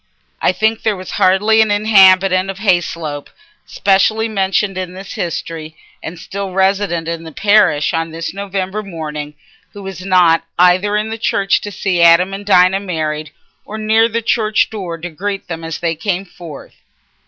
I think there was hardly an inhabitant of Hayslope specially mentioned in this history and still resident in the parish on this November morning who was not either in church to see Adam and Dinah married, or near the church door to greet them as they came forth.